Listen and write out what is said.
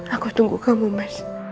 aku tunggu kamu mas